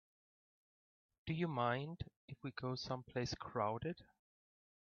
Do you mind if we go someplace crowded?